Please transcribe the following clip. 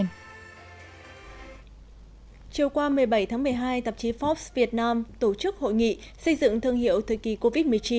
chiều qua một mươi bảy tháng một mươi hai tạp chí forbes việt nam tổ chức hội nghị xây dựng thương hiệu thời kỳ covid một mươi chín